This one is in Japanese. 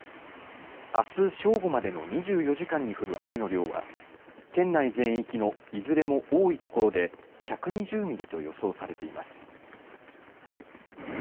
あす正午までの２４時間に降る雨の量は県内全域のいずれも多いところで１２０ミリと予想されています。